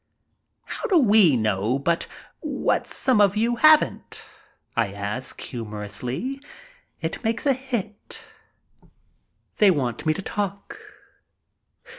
"How do we know but what some of you haven't?" I ask, humorously. It makes a hit. They want me to talk.